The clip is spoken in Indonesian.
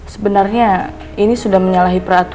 sebenarnya ini sudah menyalahi perasaan saya